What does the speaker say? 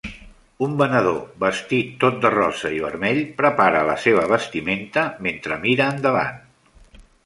Un venedor vestit tot de rosa i vermell, prepara la seva vestimenta mentre mira endavant.